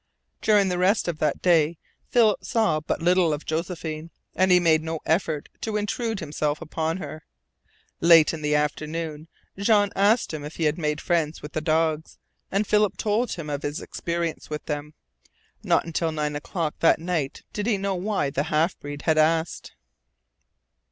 During the rest of that day Philip saw but little of Josephine, and he made no effort to intrude himself upon her. Late in the afternoon Jean asked him if he had made friends with the dogs, and Philip told him of his experience with them. Not until nine o'clock that night did he know why the half breed had asked.